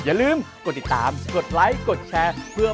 อย่าลืมกดติดตามกดไลก์กดแชร์